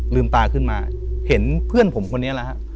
ลืมตาขึ้นมาเห็นเพื่อนผมคนนี้แล้วครับ